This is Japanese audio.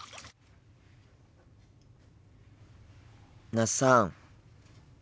那須さん。